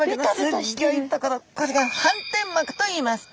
これが反転膜といいます。